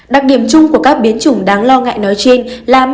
đặc điểm chung của các biến chủng đáng lo ngại nói trên là